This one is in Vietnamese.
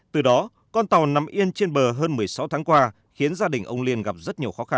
từ đó con tàu nằm yên trên bờ hơn một mươi sáu tháng qua khiến gia đình ông liên gặp rất nhiều khó khăn